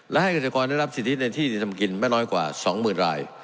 และให้เกษตรกรได้รับสิทธิในที่ดินทำกินไม่น้อยกว่า๒๐๐๐ราย